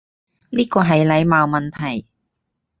呢個係禮貌問題